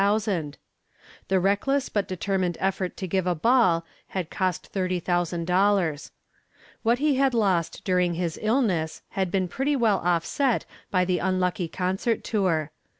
The reckless but determined effort to give a ball had cost $30,000. What he had lost during his illness had been pretty well offset by the unlucky concert tour.